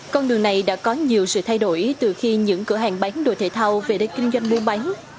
con đường này đã có nhiều sự thay đổi từ khi những cửa hàng bán đồ thể thao về đây kinh doanh buôn bán